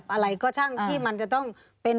ต้องหยุดรถท้าน